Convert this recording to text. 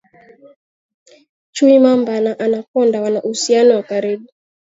chui mamba na anakonda wana uhusiano wa karibu